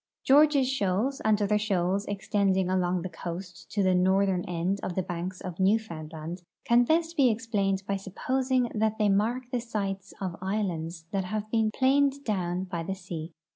George's shoals and other shoals extending along the coast to the north ern end of the banks of Newfoundland can best be explained by supposing that they mark the sites of islands that have been planed down by the sea.